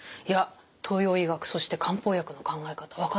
東洋医学そして漢方薬の考え方分かってきましたね。